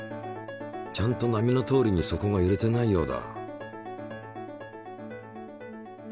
ちゃんと波のとおりに底がゆれてないようだ。